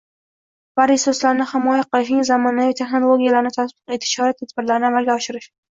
va resurslarini himoya qilishning zamonaviy texnologiyalarini tatbiq etish chora-tadbirlarini amalga oshirish